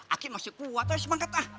aki masih kuat ah semangat ah